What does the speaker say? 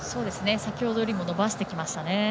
先ほどよりも伸ばしてきましたね。